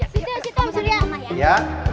situ situ pak surya